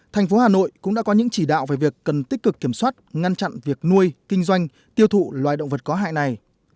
thành phố hà nội cũng đã có những chỉ đạo về việc cần tích cực kiểm soát ngăn chặn việc nuôi kinh doanh tiêu thụ loài động vật có hại này